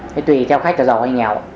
thế tùy theo khách là giàu hay nghèo